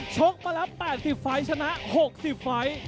ชกมาแล้ว๘๐ไฟล์ชนะ๖๐ไฟล์